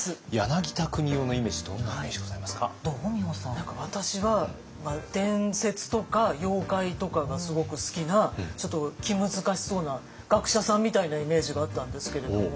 何か私は伝説とか妖怪とかがすごく好きなちょっと気難しそうな学者さんみたいなイメージがあったんですけれども。